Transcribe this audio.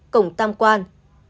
cổng tam quan